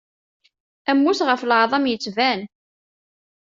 Ammus ɣef leεḍam yettban.